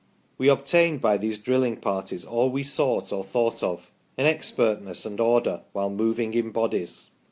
... We obtained by these drilling parties all we sought or thought of an expertness and order while moving in bodies."